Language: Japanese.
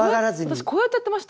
私こうやってやってました。